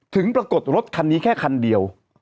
ถึงปรากฏรถคันนี้แค่คันเดียว